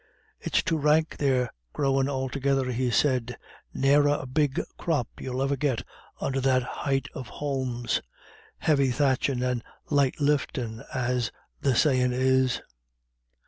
"It's too rank they're growin' altogether," he said; "ne'er a big crop you'll get under that heigth of haulms. 'Heavy thatchin' and light liftin',' as the sayin' is."